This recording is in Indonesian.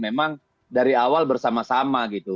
memang dari awal bersama sama gitu